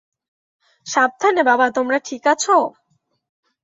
সাবধানে বাবা তোমরা ঠিক আছো?